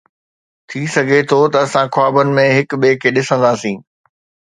ٿي سگهي ٿو ته اسان خوابن ۾ هڪ ٻئي کي ڏسندا سين